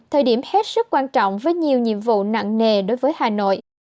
thời điểm hết sức quan trọng với nhiều nhiệm vụ nặng nề đối với hà nội